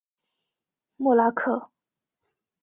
默拉克。